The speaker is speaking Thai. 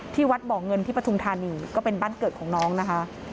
วัดบ่อเงินที่ปฐุมธานีก็เป็นบ้านเกิดของน้องนะคะ